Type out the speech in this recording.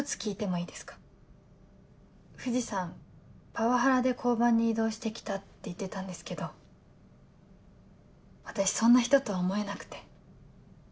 パワハラで交番に異動して来たって言ってたんですけど私そんな人とは思えなくて。